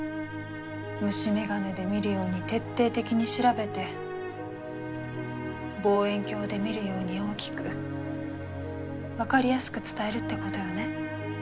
虫眼鏡で見るように徹底的に調べて望遠鏡で見るように大きく分かりやすく伝えるってことよね。